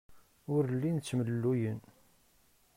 Ur llin ttemlelluyen.